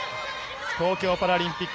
東京パラリンピック